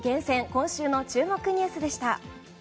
今週の注目ニュースでした。